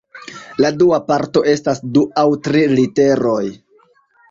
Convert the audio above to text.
La dua parto estas du aŭ tri literoj.